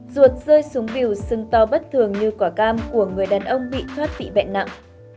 ruột rơi xuống biểu xưng to bất thường như quả cam của người đàn ông bị thoát bị bệnh nặng